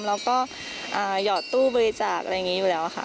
เราก็หยอดตู้บริจาคอะไรอยู่แล้วค่ะ